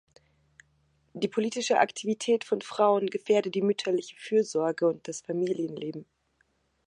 Die politische Aktivität von Frauen gefährde die mütterliche Fürsorge und das Familienleben.